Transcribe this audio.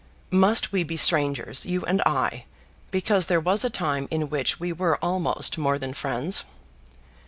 "Must we be strangers, you and I, because there was a time in which we were almost more than friends?"